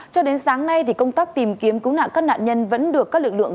cho đến sáng nay công tác tìm kiếm cứu nạn các nạn nhân vẫn được các lực lượng